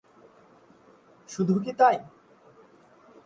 শুধু কী তাই?